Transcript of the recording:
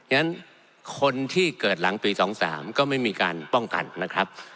ฉะนั้นคนที่เกิดหลังปี๒๓ก็ไม่มีการป้องกันนะครับ